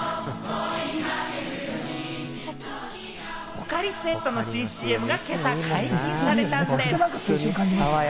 ポカリスエットの新ＣＭが今朝、解禁されたんでぃす。